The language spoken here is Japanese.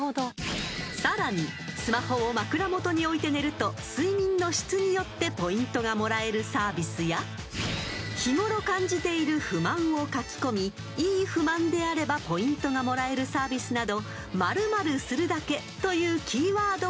［さらにスマホを枕元に置いて寝ると睡眠の質によってポイントがもらえるサービスや日頃感じている不満を書き込みいい不満であればポイントがもらえるサービスなど「○○するだけ」というキーワードもかぶっていた］